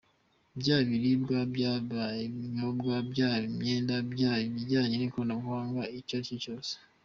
Byaba ibiribwa, byaba ibinyobwa, byaba imyenda, byaba ibijyanye n’ikoranabuhanga… icyo aricyo cyose.